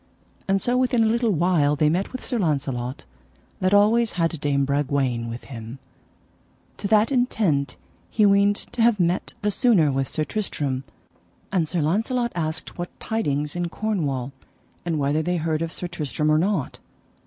And so within a little while they met with Sir Launcelot that always had Dame Bragwaine with him, to that intent he weened to have met the sooner with Sir Tristram; and Sir Launcelot asked what tidings in Cornwall, and whether they heard of Sir Tristram or not.